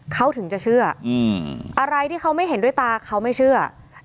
เขาถึงจะเชื่ออะไรที่เขาไม่เห็นด้วยตาเขาไม่เชื่อ